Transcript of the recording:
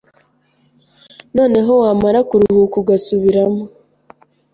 noneho wamara kuruhuka ugasubiramo